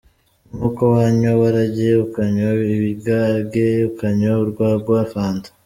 Ni nk’uko wanywa waragi ukanywa ibigage ukanywa urwagwa, fanta.